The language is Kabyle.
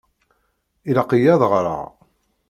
Ilaq-iyi ad ɣṛeɣ.